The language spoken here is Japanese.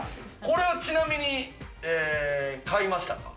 これはちなみに買いましたか？